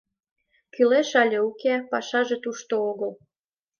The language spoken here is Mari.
— Кӱлеш але уке, пашаже тушто огыл.